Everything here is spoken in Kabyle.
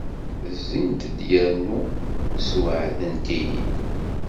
Zzint-d yernu sweɛdent-iyi-d.